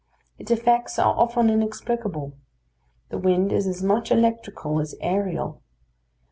Its effects are often inexplicable. The wind is as much electrical as aerial.